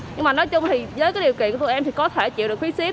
nhưng mà nói chung thì với cái điều kiện của tụi em thì có thể chịu được phí ship